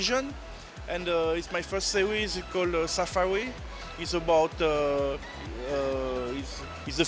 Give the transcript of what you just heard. art jakarta dua ribu dua puluh dua